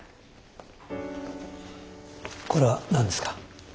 これは何ですか？